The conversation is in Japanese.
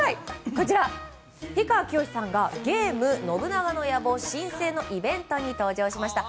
氷川きよしさんがゲーム「信長の野望・新生」のイベントに登場しました。